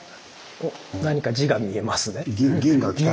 おっ何か字が見えますね。